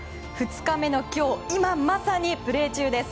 ２日目の今日、今まさにプレー中です。